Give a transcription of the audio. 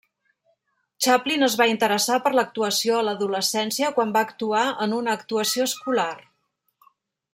Chaplin es va interessar per l'actuació a l'adolescència quan va actuar en una actuació escolar.